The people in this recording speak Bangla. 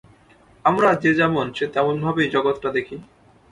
আমরা যে যেমন সে তেমন ভাবেই জগৎটা দেখি।